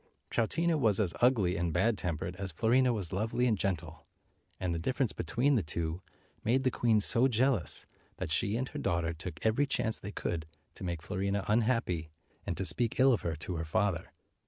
Troutina was as ugly and bad tempered as Fiorina was lovely and gentle, and the difference between the two made the queen so jealous, that she and her daughter took every chance they could to make Fiorina unhappy, and to speak ill of her to her father.